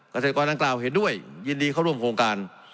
เกษตรกรดังกล่าวเห็นด้วยยินดีเข้าร่วมโครงการ